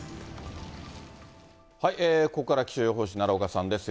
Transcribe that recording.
ここからは気象予報士、奈良岡さんです。